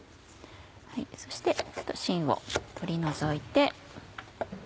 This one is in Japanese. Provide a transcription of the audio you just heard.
そしてしんを取り除いて。